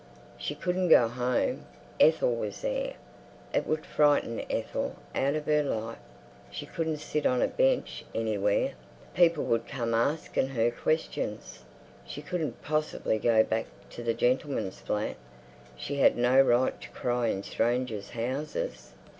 She couldn't go home; Ethel was there. It would frighten Ethel out of her life. She couldn't sit on a bench anywhere; people would come arsking her questions. She couldn't possibly go back to the gentleman's flat; she had no right to cry in strangers' houses.